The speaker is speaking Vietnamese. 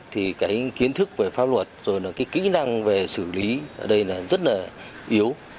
thì cái kiến thức về pháp luật rồi là cái kỹ năng về xử lý ở đây là rất là yếu